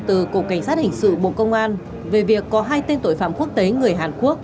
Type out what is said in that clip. từ cục cảnh sát hình sự bộ công an về việc có hai tên tội phạm quốc tế người hàn quốc